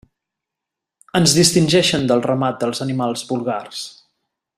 Ens distingeixen del ramat dels animals vulgars.